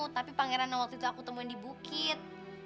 tapi pangeran waktu itu aku temuin di bukit